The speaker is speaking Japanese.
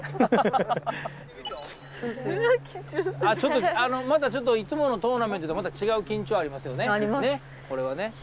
あっちょっとまたちょっといつものトーナメントとまた違う緊張ありますよね？